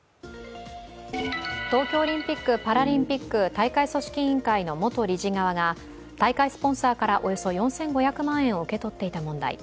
東京オリンピック・パラリンピック大会組織委員会の元理事側が大会スポンサーからおよそ４５００万円を受け取っていた問題。